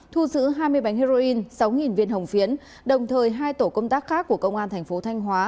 thu giữ hai mươi bánh heroin sáu viên hồng phiến đồng thời hai tổ công tác khác của công an thành phố thanh hóa